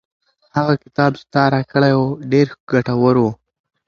هغه کتاب چې تا راکړی و ډېر ګټور و.